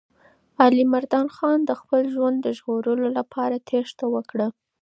علیمردان خان د خپل ژوند د ژغورلو لپاره تېښته وکړه.